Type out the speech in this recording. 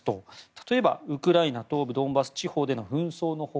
例えばウクライナ東部ドンバス地方での紛争の他